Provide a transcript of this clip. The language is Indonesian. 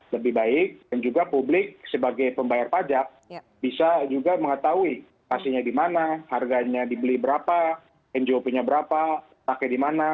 lebih baik dan juga publik sebagai pembayar pajak bisa juga mengetahui pastinya di mana harganya dibeli berapa ngop nya berapa pakai di mana